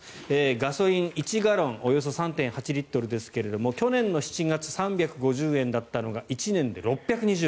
ガソリン、１ガロンおよそ３．８リットルですが去年の７月３５０円だったのが１年で６２０円